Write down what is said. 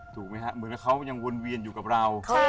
เหมือนเขายังวนเวียนอยู่กับเรา